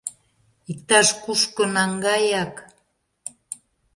Иктаж-кушко наҥгаяк...